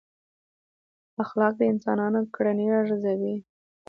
اخلاق د انسانانو کړنې ارزوي.